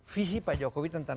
visi pak jokowi tentang